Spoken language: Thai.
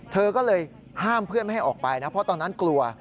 เธอก็เลยห้ามเพื่อนไม่ให้ออกไปนะเพราะตอนนั้นกลัว